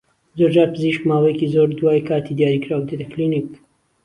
زۆرجار پزیشک ماوەیەکی زۆر دوای کاتی دیاریکراو دێتە کلینیک